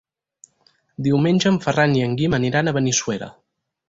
Diumenge en Ferran i en Guim aniran a Benissuera.